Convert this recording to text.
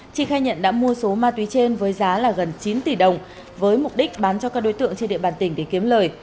trị khai nhận đã mua số ma túy trên với giá là gần chín tỷ đồng với mục đích bán cho các đối tượng trên địa bàn tỉnh để kiếm lời